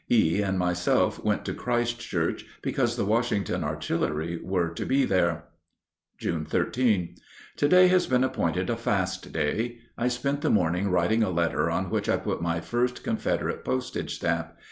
E. and myself went to Christ Church because the Washington Artillery were to be there. June 13. To day has been appointed a Fast Day. I spent the morning writing a letter on which I put my first Confederate postage stamp.